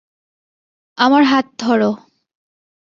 আমার হাত ধরো!